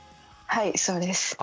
はいそうです。